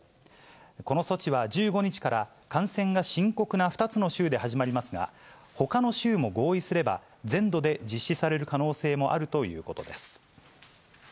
この措置は１５日から感染が深刻な２つの州で始まりますが、ほかの州も合意すれば、全土で実施される可能性もあるということです。